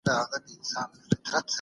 ډیپلوماټانو به رسمي غونډي سمبالولې.